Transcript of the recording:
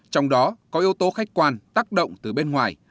trong đó có yếu tố khách quan tác động từ bên ngoài